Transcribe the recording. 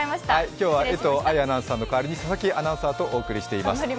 今日は江藤愛アナウンサーの代わりに佐々木アナウンサーとお送りしています。